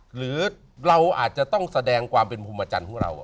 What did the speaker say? หรือเราอาจจะต้องแสดงความเป็นภูมิอาจารย์ของเรา